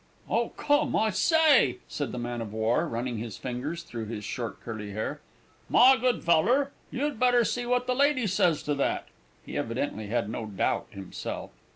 "Oh come, I say!" said the man of war, running his fingers through his short curly hair; "my good feller, you'd better see what the lady says to that!" (He evidently had no doubt himself.)